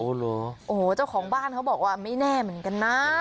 โอ้โหเจ้าของบ้านเขาบอกว่าไม่แน่เหมือนกันนะ